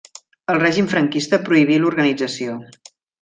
El règim franquista prohibí l'organització.